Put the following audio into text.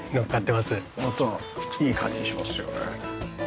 またいい感じしますよね。